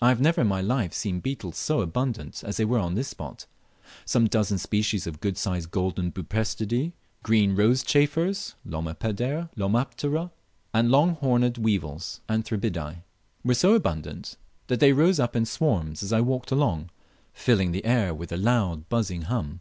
I have never in my life seen beetles so abundant as they were on this spot. Some dozen species of good sized golden Buprestidae, green rose chafers (Lomaptera), and long horned weevils (Anthribidae), were so abundant that they rose up in swarms as I walked along, filling the air with a loud buzzing hum.